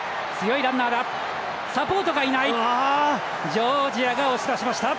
ジョージア押し出しました。